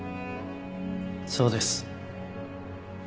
そうです。